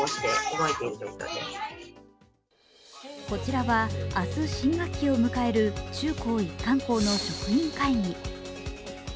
こちらは明日新学期を迎える中高一貫校の職員会議。